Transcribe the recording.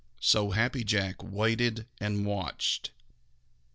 So Happy Jack waited and watched.